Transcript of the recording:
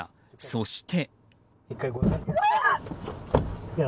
そして。